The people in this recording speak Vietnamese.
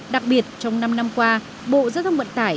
đặc biệt trong năm năm qua bộ giao thông vận tải